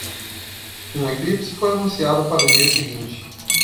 Um eclipse foi anunciado para o dia seguinte.